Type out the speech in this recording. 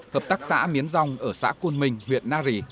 hợp tác xã miến dòng ở xã côn minh huyện na rì